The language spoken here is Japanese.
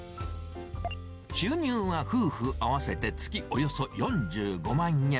収入は夫婦合わせて月およそ４５万円。